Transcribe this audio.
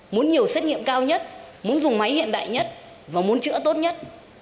muốn nhiều xét nghiệm cao nhất muốn dùng máy hiện đại nhất và muốn chữa tốt nhất